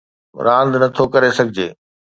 راند نه ٿو ڪري سگھجي